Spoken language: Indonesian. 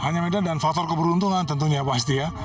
hanya medan dan faktor keberuntungan tentunya pasti ya